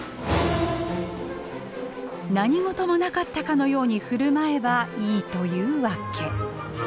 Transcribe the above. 何事もなかったかのように振る舞えばいいというわけ。